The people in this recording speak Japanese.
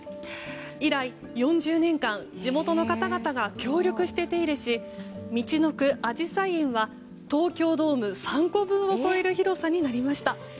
以来、４０年間地元の方々が協力して手入れしみちのくあじさい園は東京ドーム３個分を超える広さになりました。